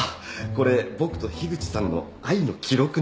これ僕と樋口さんの愛の記録なんだ。